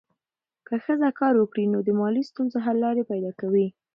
که ښځه کار وکړي، نو د مالي ستونزو حل لارې پیدا کوي.